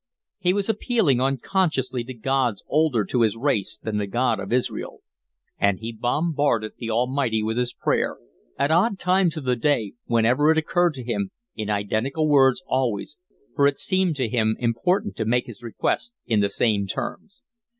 He was appealing unconsciously to gods older to his race than the God of Israel. And he bombarded the Almighty with his prayer, at odd times of the day, whenever it occurred to him, in identical words always, for it seemed to him important to make his request in the same terms.